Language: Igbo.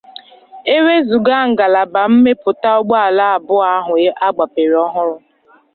E wezuga ngalaba mmepụta ụgbọala abụọ ahụ a gbapere ọhụrụ